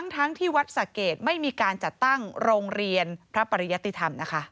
ทั้งที่วัดสะเกดไม่มีการจัดตั้งโรงเรียนพระปริยติธรรมนะคะ